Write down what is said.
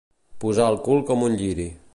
Posar el cul com un lliri.